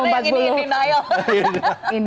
karena yang ini indianial